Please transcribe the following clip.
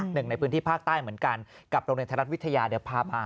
หนึ่งในพื้นที่ภาคใต้เหมือนกันกับโรงเรียนไทยรัฐวิทยาเดี๋ยวพา